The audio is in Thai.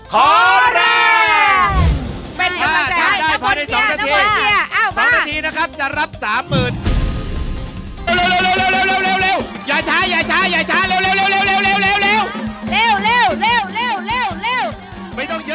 ขอแรง